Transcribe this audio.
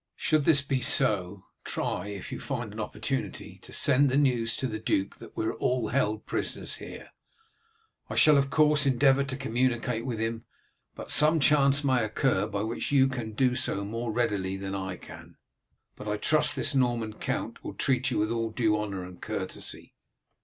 Should this be so, try, if you find an opportunity, to send the news to the duke that we are all held prisoners here. I shall, of course, endeavour to communicate with him, but some chance may occur by which you can do so more readily than I can." "I will try to do so, my lord; but I trust this Norman count will treat you with all due honour and courtesy."